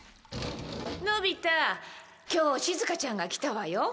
のび太今日しずかちゃんが来たわよ。